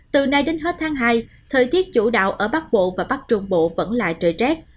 từ nay đến hết tháng hai thời tiết chủ đạo ở bắc bộ và bắc trung bộ vẫn lại trời rét